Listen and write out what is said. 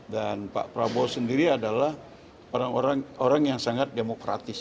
dan pak prabowo sendiri adalah orang orang yang sangat demokratis